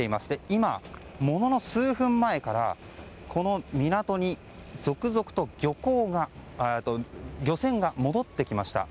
今、ものの数分前からこの港に続々と漁船が戻ってきました。